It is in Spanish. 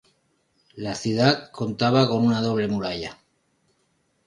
La ciudad contaba con una doble muralla.